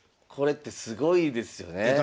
これってすごいですよね。